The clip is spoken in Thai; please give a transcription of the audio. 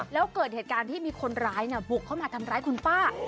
แล้วเกิดเหตุการณ์ที่มีคนร้ายบุกเข้ามาทำร้ายคุณป้า